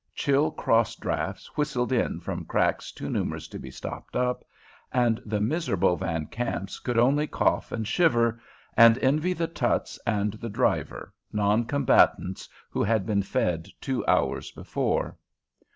Chill cross draughts whistled in from cracks too numerous to be stopped up, and the miserable Van Kamps could only cough and shiver, and envy the Tutts and the driver, non combatants who had been fed two hours before.